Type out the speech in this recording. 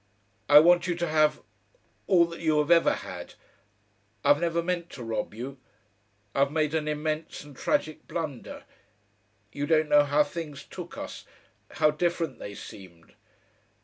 I want you to have all that you have ever had. I've never meant to rob you. I've made an immense and tragic blunder. You don't know how things took us, how different they seemed!